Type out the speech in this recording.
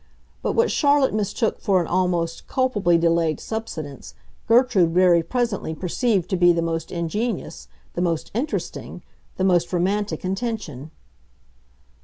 But what Charlotte mistook for an almost culpably delayed subsidence Gertrude very presently perceived to be the most ingenious, the most interesting, the most romantic intention.